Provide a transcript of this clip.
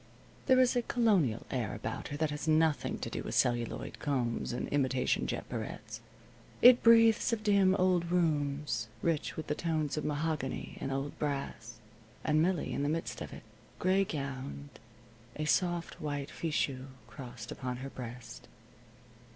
There is a Colonial air about her that has nothing to do with celluloid combs and imitation jet barrettes. It breathes of dim old rooms, rich with the tones of mahogany and old brass, and Millie in the midst of it, gray gowned, a soft white fichu crossed upon her breast.